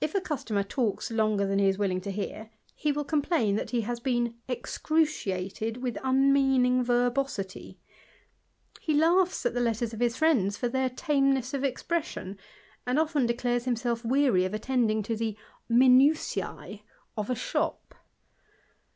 If a customer talks longer than i is willing to hear, he will complain that he has been cruciated with unmeaning verbosity; he laughs at the ters of his friends for their tameness of expression, and en declares himself weary of attending to the minuiuB of »hop.